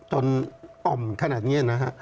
อ่อมขนาดนี้นะฮะ